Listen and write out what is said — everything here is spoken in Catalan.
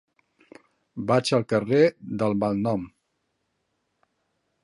Vaig al carrer del Malnom.